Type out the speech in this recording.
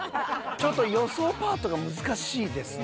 ちょっと予想パートが難しいですね。